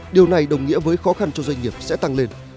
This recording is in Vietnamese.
điều này đồng nghĩa với khó khăn cho doanh nghiệp sẽ tăng lên